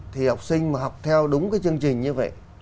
thì học sinh mà học theo đúng cái chương trình như vậy